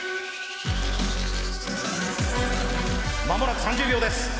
まもなく３０秒です。